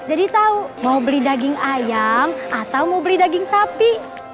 jadi tau mau beli daging ayam atau mau beli daging sapi